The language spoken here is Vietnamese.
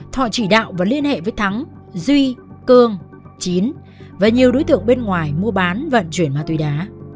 thọ chỉ đạo và liên hệ với thắng duy cương chín và nhiều đối tượng bên ngoài mua bán vận chuyển ma túy đá